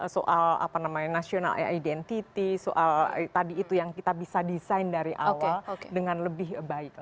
soal apa namanya national identity soal tadi itu yang kita bisa desain dari awal dengan lebih baik